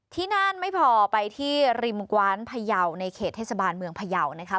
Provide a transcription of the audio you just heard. ที่นั่นไม่พอไปที่ริมกว้านพยาวในเขตเทศบาลเมืองพยาวนะครับ